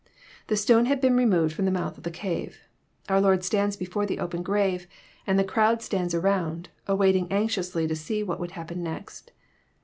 The stone had been re moved f^om the month of the cave. Our Lord stands before the open grave, and the crovrd stands around, avraiting anxiously to see what would happen next.